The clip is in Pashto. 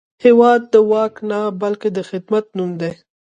هېواد د واک نه، بلکې د خدمت نوم دی.